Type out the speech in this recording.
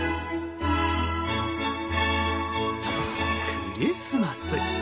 クリスマス！